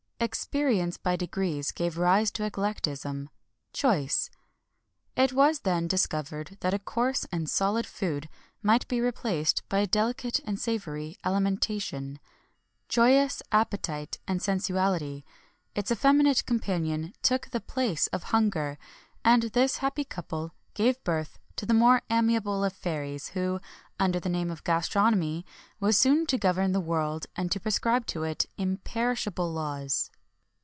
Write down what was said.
Experience by degrees gave rise to eclectism choice. It was then discovered that a coarse and solid food might be replaced by a delicate and savoury alimentation; joyous appetite, and sensuality, its effeminate companion, took the place of hunger, and this happy couple gave birth to the more amiable of fairies, who, under the name of Gastronomy, was soon to govern the world and prescribe to it imperishable laws.